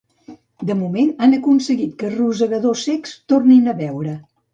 De moment, han aconseguit que rosegadors cecs tornin a veure.